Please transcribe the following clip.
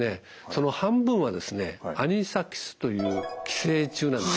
その半分はアニサキスという寄生虫なんですね